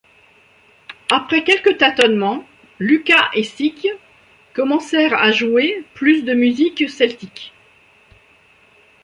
Après quelques tâtonnements, Luka et Sic commencèrent à jouer plus de musiques celtiques.